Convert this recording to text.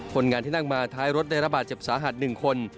คนงานที่นั่งมาท้ายรถได้ระบาดเจ็บสาหัส๑คน